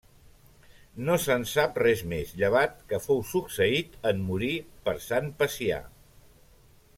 No se'n sap res més, llevat que fou succeït, en morir, per Sant Pacià.